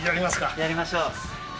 やりましょう。